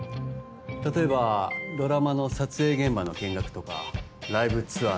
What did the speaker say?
例えばドラマの撮影現場の見学とかライブツアーの